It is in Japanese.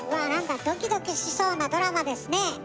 なんかドキドキしそうなドラマですね！